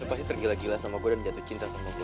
pasti tergila gila sama gue dan jatuh cinta sama gue